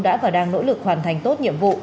đã và đang nỗ lực hoàn thành tốt nhiệm vụ